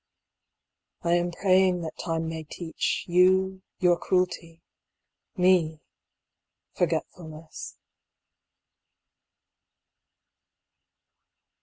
I am praying that Time may teach, you, your Cruelty, me, Forgetfulness.